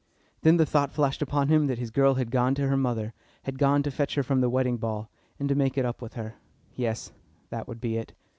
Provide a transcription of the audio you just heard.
Then the thought flashed upon him that his girl had gone to her mother, had gone to fetch her from the wedding ball, and to make it up with her. Yes; that would be it.